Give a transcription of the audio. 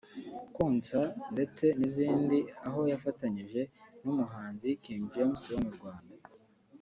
Konsa ndetse n’ izindi aho yafatanyije n’ umuhanzi King James wo mu Rwanda